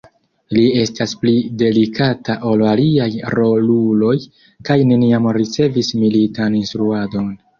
Li estas pli delikata ol aliaj roluloj, kaj neniam ricevis militan instruadon.